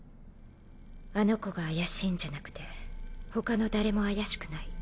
あの子が怪しいんじゃなくてほかの誰も怪しくない。